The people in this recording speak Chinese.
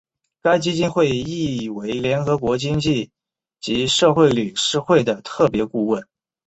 该基金会亦为联合国经济及社会理事会的特别顾问。